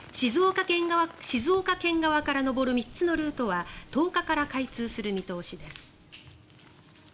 静岡県側から登る３つのルートは１０日から開通する見通しです。